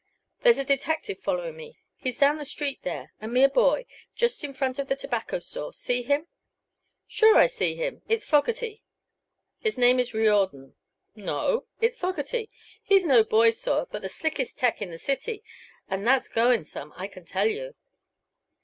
"There's a detective following me; he's down the street there a mere boy just in front of that tobacco store. See him?" "Sure I see him. It's Fogerty." "His name is Riordan." "No; it's Fogerty. He's no boy, sir, but the slickest 'tec' in the city, an' that's goin' some, I can tell you."